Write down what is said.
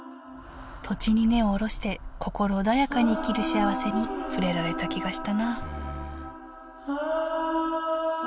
土地に根を下ろして心穏やかに生きるしあわせに触れられた気がしたなあ